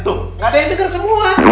tuh gak ada yang pintar semua